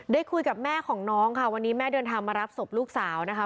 คุยกับแม่ของน้องค่ะวันนี้แม่เดินทางมารับศพลูกสาวนะคะ